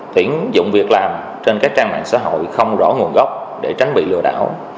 tuyển dụng việc làm trên các trang mạng xã hội không rõ nguồn gốc để tránh bị lừa đảo